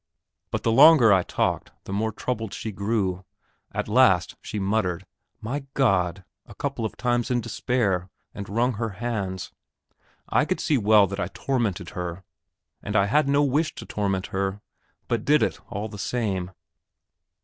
But the longer I talked, the more troubled she grew. At last she muttered, "My God!" a couple of times in despair, and wrung her hands. I could see well that I tormented her, and I had no wish to torment her but did it, all the same.